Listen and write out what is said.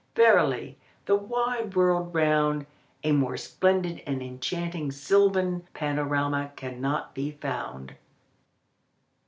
Verily, the wide world round, a more splendid and enchanting silvan panorama cannot be found.